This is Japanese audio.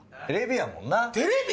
テレビやもんな。